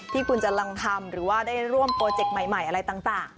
ที่คุณจะลองทำหรือว่าได้ร่วมโปรเจกต์ใหม่อะไรต่าง